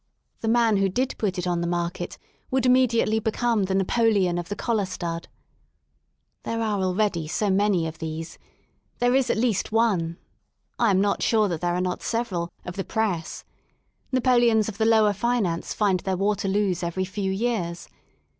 The man who did put it on the market would immediately become the Napoleon of the Collar Stud. There are already so many of these: there is at least one, I am not sure that there are not several, of the Press; Napoleons of the Lower Finance find their Waterloos every few years.